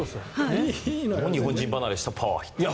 日本人離れしたパワーヒッター。